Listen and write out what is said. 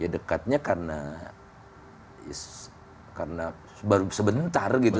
dekatnya karena baru sebentar gitu